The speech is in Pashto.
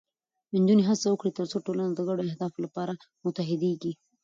نجونې هڅه وکړي، ترڅو ټولنه د ګډو اهدافو لپاره متحدېږي.